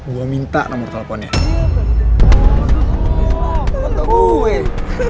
bagi bicara soal bu andin